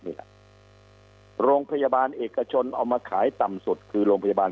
นี่แหละโรงพยาบาลเอกชนเอามาขายต่ำสุดคือโรงพยาบาล